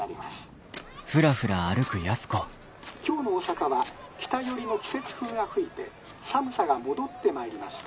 「今日の大阪は北よりの季節風が吹いて寒さが戻ってまいりました。